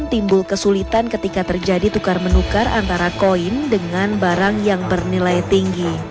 timbul kesulitan ketika terjadi tukar menukar antara koin dengan barang yang bernilai tinggi